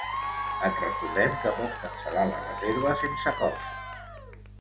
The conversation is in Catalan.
Et recordem que pots cancel·lar la reserva sense cost.